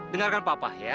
dengerkan papa ya